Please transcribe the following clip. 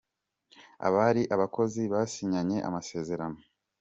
Abari abakozi basinyanye amasezerano.